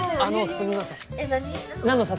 あのすみません。